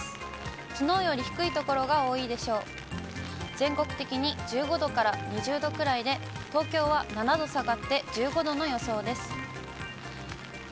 全国的に１５度から２０度くらいで、東京は７度下がって１５度の予想です。